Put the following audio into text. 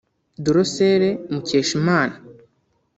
Drocelle Mukeshimana